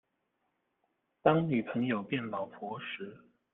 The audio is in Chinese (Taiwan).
當女朋友變老婆時